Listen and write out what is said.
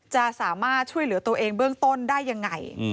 จะสามารถช่วยเหลือตัวเองเบื้องต้นได้ยังไง